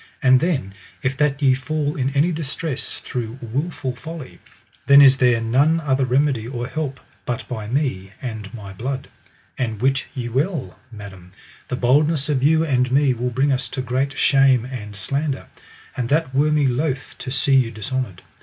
And then if that ye fall in any distress through wilful folly, then is there none other remedy or help but by me and my blood. And wit ye well, madam, the boldness of you and me will bring us to great shame and slander; and that were me loath to see you dishonoured.